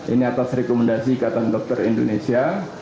ini atas rekomendasi ikatan dokter indonesia